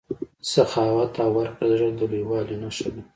سخاوت او ورکړه د زړه د لویوالي نښه ده.